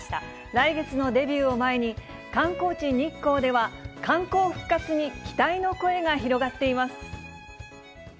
来月のデビューを前に、観光地、日光では、観光復活に期待の声が広がっています。